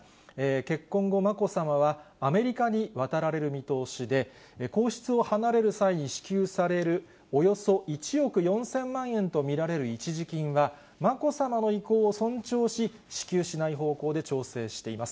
結婚後、まこさまは、アメリカに渡られる見通しで、皇室を離れる際に支給されるおよそ１億４０００万円と見られる一時金は、まこさまの意向を尊重し、支給しない方向で調整しています。